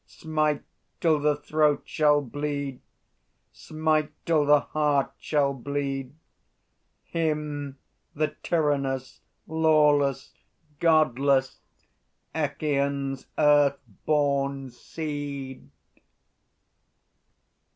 Smite till the throat shall bleed, Smite till the heart shall bleed, Him the tyrannous, lawless, Godless, Echîon's earth born seed!